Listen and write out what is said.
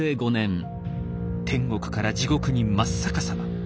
天国から地獄に真っ逆さま。